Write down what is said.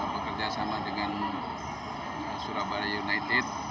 bekerjasama dengan surabaya united